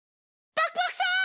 パクパクさん！